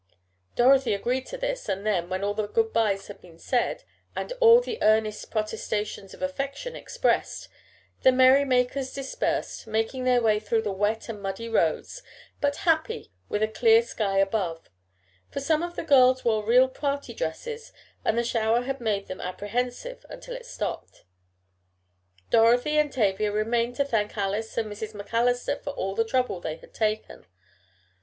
Dorothy agreed to this, and then, when all the good byes had been said, and all the earnest protestations of affection expressed, the merry makers dispersed, making their way through the wet and muddy roads, but happy with a clear sky above for some of the girls wore real party dresses and the shower had made them apprehensive until it stopped. Dorothy and Tavia remained to thank Alice and Mrs. MacAllister for all the trouble they had taken.